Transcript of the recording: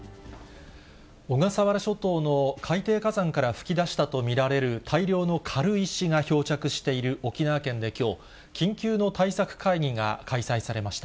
小笠原諸島の海底火山から噴き出したと見られる大量の軽石が漂着している沖縄県できょう、緊急の対策会議が開催されました。